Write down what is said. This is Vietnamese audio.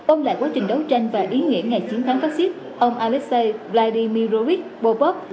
ông lại quá trình đấu tranh và ý nghĩa ngày chiến thắng phát xít ông alexei vladimirovich popov